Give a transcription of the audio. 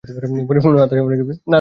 পরিপূর্ণ আত্মসমর্পণে কী প্রচণ্ড উল্লাস!